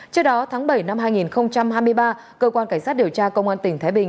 trước đó tháng bảy năm hai nghìn hai mươi ba cơ quan cảnh sát điều tra công an tỉnh thái bình